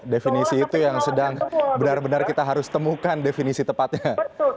definisi itu yang sedang benar benar kita harus temukan definisi tepatnya